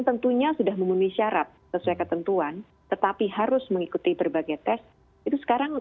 tentunya sudah memenuhi syarat sesuai ketentuan tetapi harus mengikuti berbagai tes itu sekarang